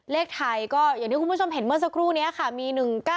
เลขไทยก็อย่างที่คุณผู้ชมเห็นเมื่อสักครู่นี้ค่ะมี๑๙๙